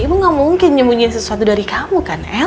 ibu gak mungkin nyembunyiin sesuatu dari kamu kan el